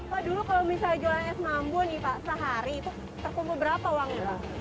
pak dulu kalau misalnya jualan es mambu nih pak sehari itu terkumpul berapa uangnya pak